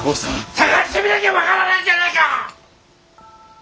捜してみなきゃ分からないじゃないか！